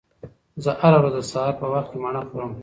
زه هره ورځ د سهار په وخت کې مڼه خورم.